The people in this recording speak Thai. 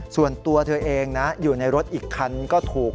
ส่วนตัวเธอเองนะอยู่ในรถอีกคันก็ถูก